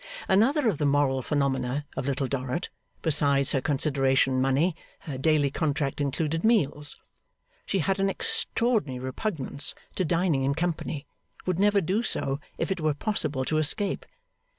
Another of the moral phenomena of Little Dorrit. Besides her consideration money, her daily contract included meals. She had an extraordinary repugnance to dining in company; would never do so, if it were possible to escape.